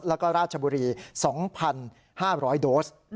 และราชบุรี๒๕๐๐โดส